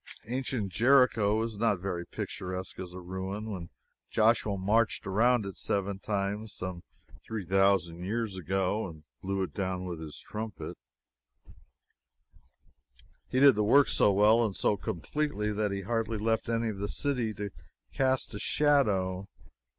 Ancient Jericho is not very picturesque as a ruin. When Joshua marched around it seven times, some three thousand years ago, and blew it down with his trumpet, he did the work so well and so completely that he hardly left enough of the city to cast a shadow.